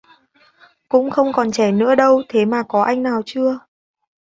Cũng không còn trẻ nữa đâu thế mà có anh nào chưa